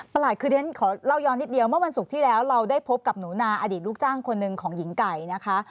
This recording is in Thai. หลาดคือเรียนขอเล่าย้อนนิดเดียวเมื่อวันศุกร์ที่แล้วเราได้พบกับหนูนาอดีตลูกจ้างคนหนึ่งของหญิงไก่นะคะ